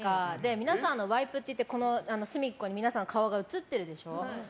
皆さん、ワイプって言って隅っこに顔が映っているでしょ。